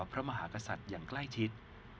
พระมหากษัตริย์อย่างใกล้ชิด